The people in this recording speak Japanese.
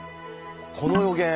この予言